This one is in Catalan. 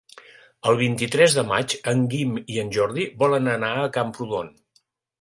El vint-i-tres de maig en Guim i en Jordi volen anar a Camprodon.